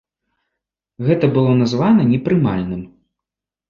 Гэта было названа непрымальным.